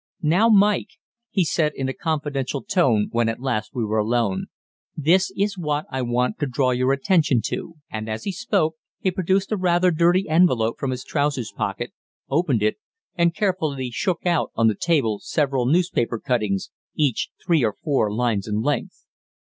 "Now, Mike," he said in a confidential tone, when at last we were alone, "this is what I want to draw your attention to," and, as he spoke, he produced a rather dirty envelope from his trousers pocket, opened it and carefully shook out on to the table several newspaper cuttings, each three or four lines in length.